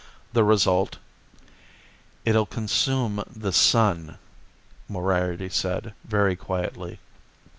The result "It'll consume the Sun," Moriarty said, very quietly.